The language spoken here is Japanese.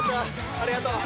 ありがとう。